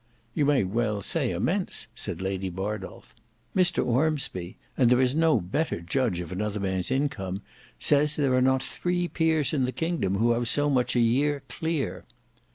"You may well say immense," said Lady Bardolf. "Mr Ormsby, and there is no better judge of another man's income, says there are not three peers in the kingdom who have so much a year clear."